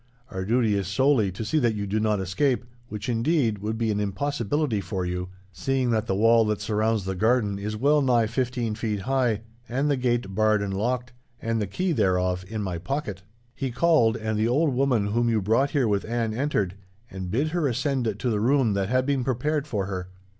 Our duty is solely to see that you do not escape, which indeed would be an impossibility for you, seeing that the wall that surrounds the garden is well nigh fifteen feet high, and the gate barred and locked, and the key thereof in my pocket.' "He called, and the old woman whom you brought here with Anne entered, and bid her ascend to the room that had been prepared for her.